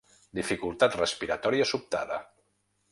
Dificultat respiratòria sobtada.